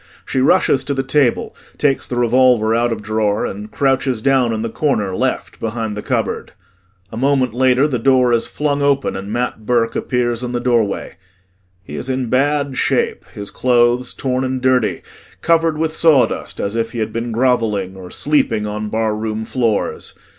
She rushes to the table, takes the revolver out of drawer and crouches down in the corner, left, behind the cupboard. A moment later the door is flung open and MAT BURKE appears in the doorway. He is in bad shape his clothes torn and dirty, covered with sawdust as if he had been grovelling or sleeping on barroom floors.